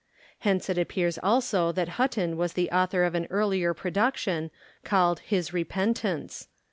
Hence it appears also that Hutton was the author of an earlier production, called his "Repentance."